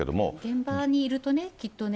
現場にいるとね、きっとね、